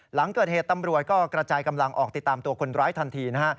หลังเกิดเหตุตำรวจก็กระจายกำลังออกติดตามตัวคนร้ายทันทีนะฮะ